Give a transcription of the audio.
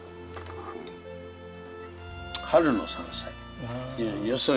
春の山菜。